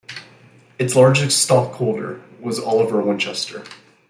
Its largest stockholder was Oliver Winchester.